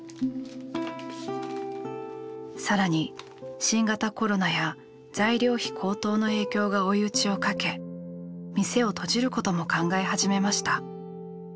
更に新型コロナや材料費高騰の影響が追い打ちをかけ店を閉じることも考え始めました。